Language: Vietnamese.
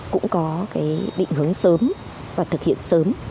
cũng có định hướng sớm và thực hiện sớm